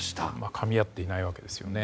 かみ合っていないわけですよね。